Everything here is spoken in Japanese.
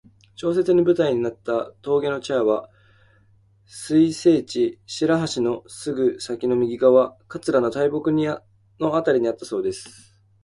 小説の舞台になった峠の茶屋は水生地・白橋のすぐ先の右側、桂の大木のあたりにあったそうです。